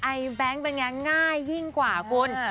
แบงค์เป็นไงง่ายยิ่งกว่าคุณ